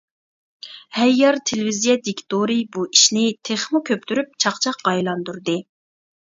ھەييار تېلېۋىزىيە دىكتورى بۇ ئىشنى تېخىمۇ كۆپتۈرۈپ چاقچاققا ئايلاندۇردى.